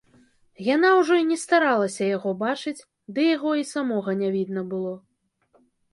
Яна ўжо і не старалася яго бачыць, ды яго і самога не відно было.